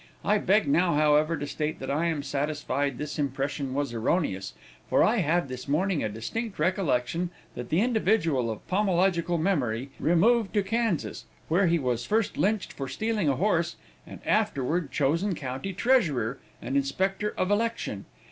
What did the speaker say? I beg now, however, to state that I am satisfied this impression was erroneous, for I have this morning a distinct recollection that the individual of pomological memory removed to Kansas, where he was first lynched for stealing a horse, and afterward chosen county treasurer and inspector of election.